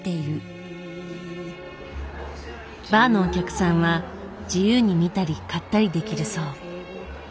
バーのお客さんは自由に見たり買ったりできるそう。